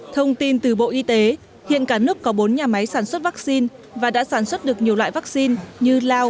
thông tin từ bộ y tế hiện cả nước có bốn nhà máy sản xuất vắc xin và đã sản xuất được nhiều loại vắc xin như lao